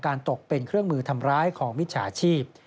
ตกเป็นเครื่องมือทำร้ายของมิจฉาชีพ